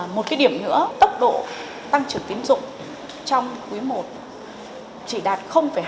một điểm nữa tốc độ tăng trưởng tín dụng trong quý i chỉ đạt hai mươi sáu